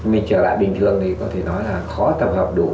mình trở lại bình thường thì có thể nói là khó tập hợp đủ